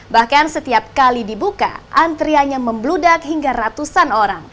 bahkan setiap kali dibuka antriannya membludak hingga ratusan orang